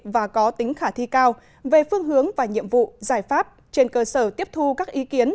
và có tính khả thi cao về phương hướng và nhiệm vụ giải pháp trên cơ sở tiếp thu các ý kiến